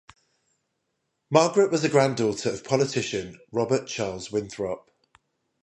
Margaret was a granddaughter of politician Robert Charles Winthrop.